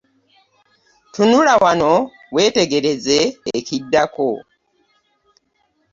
Tunula wano weetegereze ekiddako.